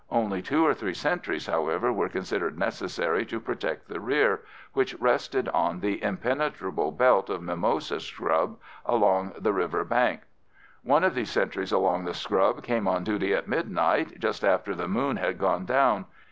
Only two or three sentries, however, were considered necessary to protect the rear, which rested on the impenetrable belt of mimosa scrub along the river bank. One of these sentries along the scrub came on duty at midnight, just after the moon had gone down.